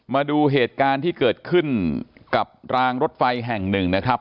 มาดูเหตุการณ์ที่เกิดขึ้นกับรางรถไฟแห่งหนึ่งนะครับ